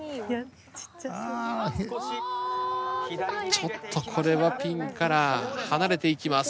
ちょっとこれはピンから離れていきます。